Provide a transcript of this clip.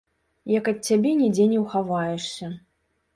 Як ад цябе нідзе не ўхаваешся.